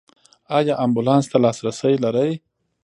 ایا امبولانس ته لاسرسی لرئ؟